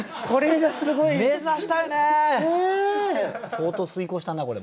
相当推敲したなこれも。